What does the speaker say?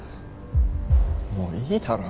もういいだろ。